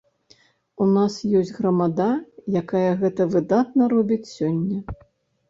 У нас ёсць грамада, якая гэта выдатна робіць сёння.